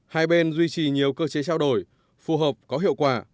hai bên duy trì nhiều cơ chế trao đổi phù hợp có hiệu quả